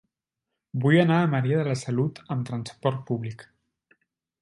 Vull anar a Maria de la Salut amb transport públic.